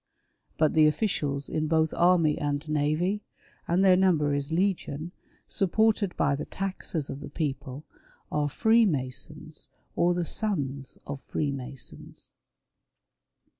But the officials in both army and navy — and their number is legion — supported by the taxes of the people, are Freemasons or the sons of Free masons.